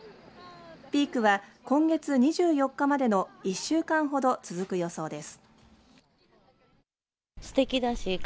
ピークは今月２４日までの１週間ほど続く予想です。